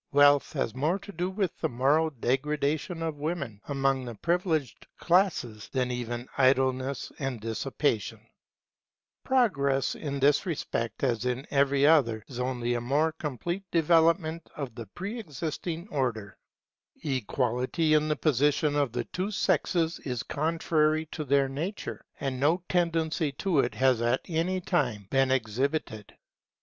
Wealth has more to do with the moral degradation of women among the privileged classes than even idleness and dissipation. [The position of the sexes tends to differentiation rather than identity] Progress, in this respect as in every other, is only a more complete development of the pre existing Order. Equality in the position of the two sexes is contrary to their nature, and no tendency to it has at any time been exhibited.